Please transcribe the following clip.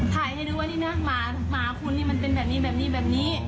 ให้ดูว่านี่นะหมาคุณนี่มันเป็นแบบนี้แบบนี้แบบนี้